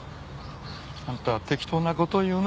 あんた適当な事言うな。